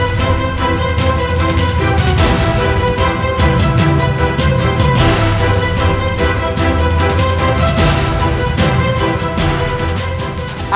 aku akan mencari dinda subang lama